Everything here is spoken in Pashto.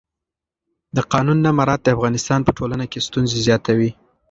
د قانون نه مراعت د افغانستان په ټولنه کې ستونزې زیاتوي